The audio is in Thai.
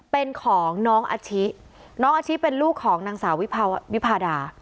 เป็นของน้องอาชิน้องอาชิเป็นลูกของนางสาววิพาดา